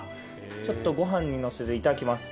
ちょっとご飯にのせていただきます。